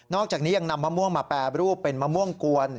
อกจากนี้ยังนำมะม่วงมาแปรรูปเป็นมะม่วงกวน